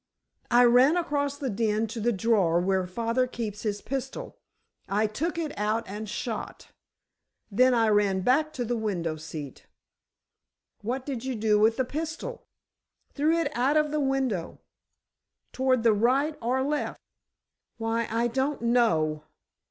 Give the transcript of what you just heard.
"I ran across the den to the drawer where father keeps his pistol; I took it and shot—then I ran back to the window seat——" "What did you do with the pistol?" "Threw it out of the window." "Toward the right or left?" "Why, I don't know."